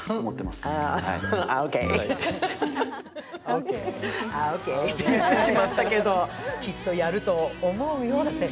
オーケーと言ってしまったけど、きっとやると思うよ。